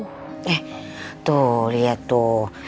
eh tuh liat tuh